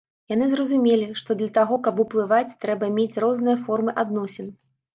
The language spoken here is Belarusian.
Яны зразумелі, што для таго, каб уплываць, трэба мець розныя формы адносін.